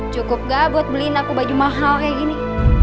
cukup gak buat beliin aku baju mahal kayak gini